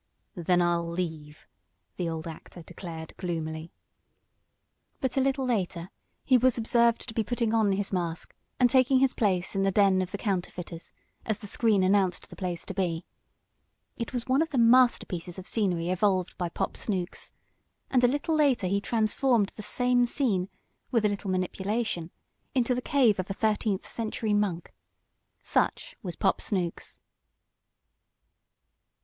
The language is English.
"Then I'll leave!" the old actor declared gloomily. But a little later he was observed to be putting on his mask, and taking his place in the "den of the counterfeiters," as the screen announced the place to be. It was one of the masterpieces of scenery evolved by Pop Snooks. And a little later he transformed the same scene, with a little manipulation, into the cave of a thirteenth century monk. Such was Pop Snooks.